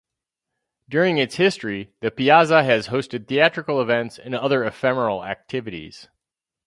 During its history, the piazza has hosted theatrical events and other ephemeral activities.